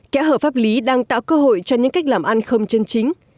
kẽ hở pháp lý đang tạo cơ hội cho những cách làm ăn không chân chính